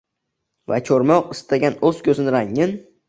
va ko’rmoq istagan o’z ko’zin rangin…